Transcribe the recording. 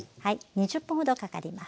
２０分ほどかかります。